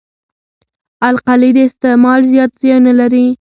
القلي د استعمال زیات ځایونه لري.